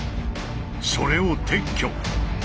それを撤去。